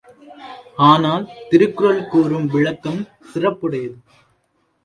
ஆனால், திருக்குறள் கூறும் விளக்கம் சிறப்புடையது.